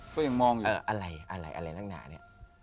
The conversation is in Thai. ก็ยังมองอยู่อะไรอะไรนักหนาเนี่ย